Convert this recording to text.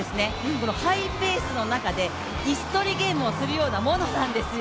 このハイペースの中で、椅子取りゲームをするようなものなんですよ。